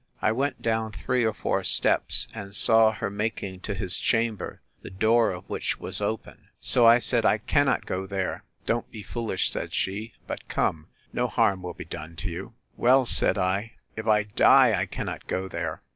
I went down three or four steps, and saw her making to his chamber, the door of which was open: So I said, I cannot go there!—Don't be foolish, said she; but come; no harm will be done to you!—Well, said I, if I die, I cannot go there.